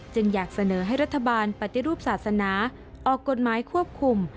อยากเสนอให้รัฐบาลปฏิรูปศาสนาออกกฎหมายควบคุม